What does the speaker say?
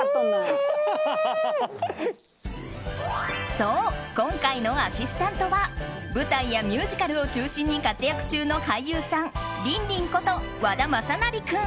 そう、今回のアシスタントは舞台やミュージカルを中心に活躍中の俳優さんりんりんこと、和田雅成君。